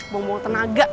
mau mau tenaga